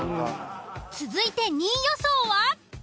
続いて２位予想は？